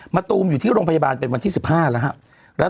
ตูมอยู่ที่โรงพยาบาลเป็นวันที่๑๕แล้วครับ